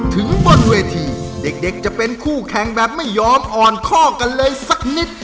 ถึงบนเวทีเด็กจะเป็นคู่แข่งแบบไม่ยอมอ่อนข้อกันเลยสักนิด